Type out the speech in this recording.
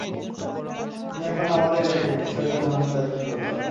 তুমি এখন আমাদেরই একজন, ঈশ্বরের মনোনীত একজন যোদ্ধা!